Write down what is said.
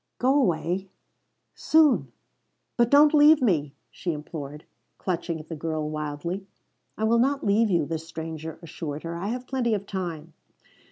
Go away soon. But don't leave me!" she implored, clutching at the girl wildly. "I will not leave you," the stranger assured her. "I have plenty of time."